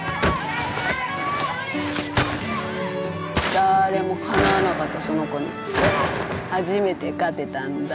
誰もかなわなかったその子に初めて勝てたんだ。